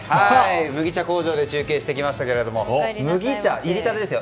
麦茶工場で中継してきましたけれども麦茶入れたてですよ。